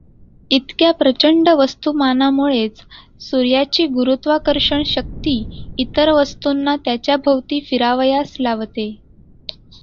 इतक्या प्रचंड वस्तुमानामुळेच सूर्याची गुरुत्वाकर्षण शक्ती इतर वस्तूंना त्याच्या भोवती फिरावयास लावते.